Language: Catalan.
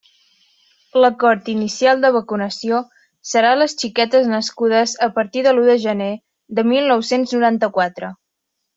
La cohort inicial de vacunació serà les xiquetes nascudes a partir de l'u de gener de mil nou-cents noranta-quatre.